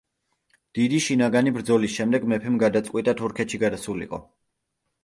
დიდი შინაგანი ბრძოლის შემდეგ, მეფემ გადაწყვიტა თურქეთში გადასულიყო.